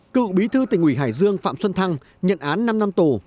cựu bí thư tỉnh ủy hải dương phạm xuân thăng nhận án năm năm tù